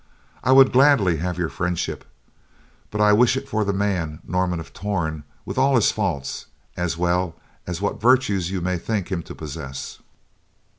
I would gladly have your friendship, but I wish it for the man, Norman of Torn, with all his faults, as well as what virtues you may think him to possess."